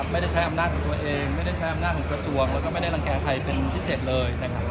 ไม่ได้ใช้อำนาจของตัวเองไม่ได้ใช้อำนาจของกระทรวงแล้วก็ไม่ได้รังแก่ใครเป็นพิเศษเลยนะครับ